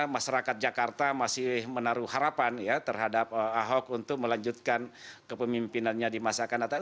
masyarakat jakarta masih menaruh harapan ya terhadap ahok untuk melanjutkan kepemimpinannya di masa akan datang